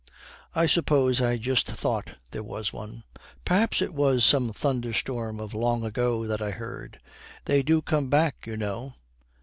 'I suppose I just thought there was one. Perhaps it was some thunderstorm of long ago that I heard. They do come back, you know.'